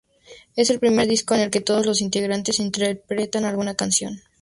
Es el primer disco en el que todos los integrantes interpretan alguna canción.